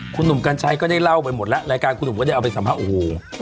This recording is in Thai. คุณหนุ่มกัญชัยก็ได้เล่าไปหมดแล้วรายการคุณหนุ่มก็ได้เอาไปสัมภาษณ์โอ้โห